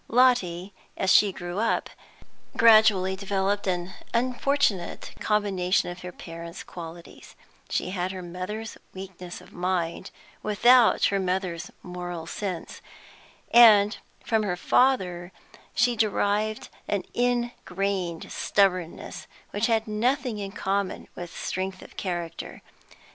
Lotty, as she grew up, gradually developed an unfortunate combination of her parents' qualities; she had her mother's weakness of mind, without her mother's moral sense, and from her father she derived an ingrained stubbornness, which had nothing in common with strength of character.